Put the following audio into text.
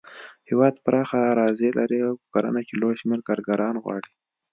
هېواد پراخه اراضي لري او په کرنه کې لوی شمېر کارګران غواړي.